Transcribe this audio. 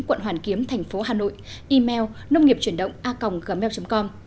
quận hoàn kiếm tp hà nội email nông nghiệpchuyểnđộnga gmail com